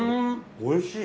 おいしい。